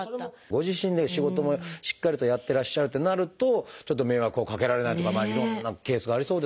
ご自身で仕事もしっかりとやってらっしゃるってなるとちょっと迷惑をかけられないとかいろんなケースがありそうですね。